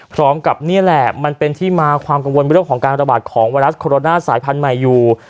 พร้อมกับนี่แหละมันเป็นที่มาความกังวลเรื่องของการระบาดของไวรัสโคโรนาสายพันธุ์ใหม่อยู่